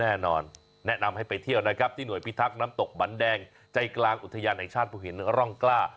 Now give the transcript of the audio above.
แน่นอนแนะนำให้ไปเที่ยวนะครับที่หน่วยพิทักษ์น้ำตกบันแดงใจกลางอุทยานแห่งชาติภูหินร่องกล้า